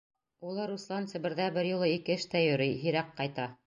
Улы Руслан Себерҙә бер юлы ике эштә йөрөй, һирәк ҡайта.